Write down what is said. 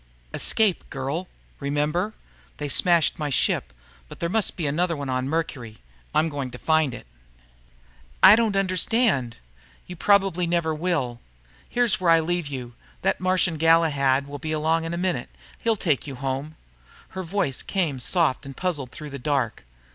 "Escape, girl. Remember? They smashed my ship. But there must be another one on Mercury. I'm going to find it." "I don't understand." "You probably never will. Here's where I leave you. That Martian Galahad will be along any minute. He'll take you home." Her voice came soft and puzzled through the dark.